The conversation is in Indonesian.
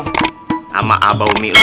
nama abah umi lu